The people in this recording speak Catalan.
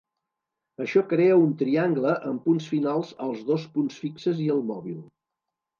Això crea un triangle amb punts finals als dos punts fixes i el mòbil.